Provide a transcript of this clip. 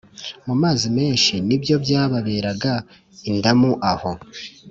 mu mazi menshi ni byo byababeraga indamu Aho